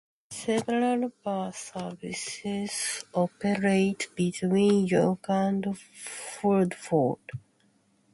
Several bus services operate between York and Fulford.